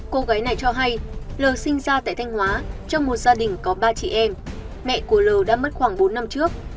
cô gái này cho hay l sinh ra tại thanh hóa trong một gia đình có ba chị em mẹ của lơ đã mất khoảng bốn năm trước